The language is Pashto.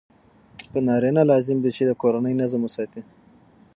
پر نارینه لازم دی چې د کورني نظم وساتي.